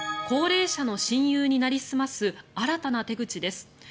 高齢者の親友になりすます新たな手口です。